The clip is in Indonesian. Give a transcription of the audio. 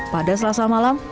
pada selasa malam